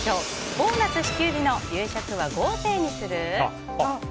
ボーナス支給日の夕食は豪勢にする？